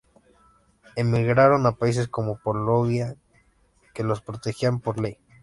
Emigraron a países como Polonia que los protegían por ley.